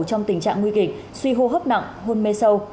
trong tình trạng nguy kịch suy hô hấp nặng hôn mê sâu